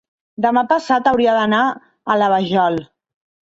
demà passat hauria d'anar a la Vajol.